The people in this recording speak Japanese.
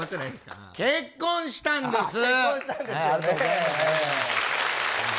結婚したんです。